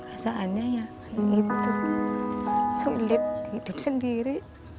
perasaannya ya begitu sulit hidup sendiri